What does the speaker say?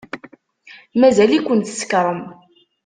Mazal-iken tsekṛem.